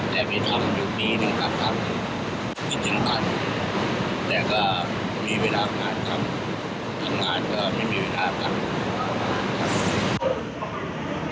แต่ไม่ทำอยู่ปีหนึ่งครับครับจริงกันแต่ก็มีเวลาอาหารครับอาหารก็ไม่มีเวลาอาหารครับ